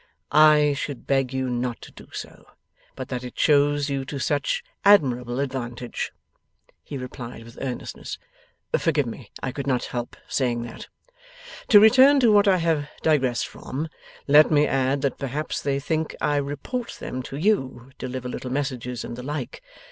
'I should beg you not to do so, but that it shows you to such admirable advantage,' he replied with earnestness. 'Forgive me; I could not help saying that. To return to what I have digressed from, let me add that perhaps they think I report them to you, deliver little messages, and the like.